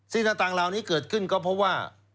สิทธิ์ต่างราวนี้เกิดขึ้นก็เพราะว่า